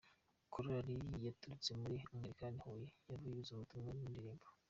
Korali yaturutse muri Angilikani Huye yavuze ubutumwa mu ndirimbo.